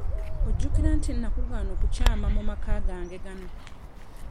Ojjukira nti nnakugaana okukyama mu maka gange gano?